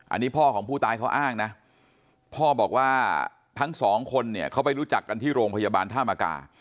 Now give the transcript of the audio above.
อันนี้พ่อของผู้ตายเขาอ้างนะพ่อบอกว่าทั้งสองคนเนี่ยเขาไปรู้จักกันที่โรงพยาบาลท่ามกา